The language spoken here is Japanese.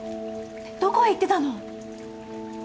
どこへ行ってたの？